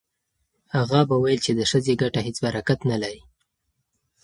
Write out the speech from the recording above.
اغا به ویل چې د ښځې ګټه هیڅ برکت نه لري.